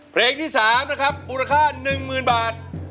เพลงที่๓นะครับมูลค่า๑๐๐๐บาท